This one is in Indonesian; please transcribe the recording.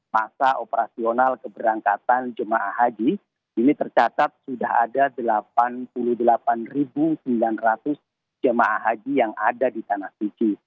masa operasional keberangkatan jemaah haji ini tercatat sudah ada delapan puluh delapan sembilan ratus jemaah haji yang ada di tanah suci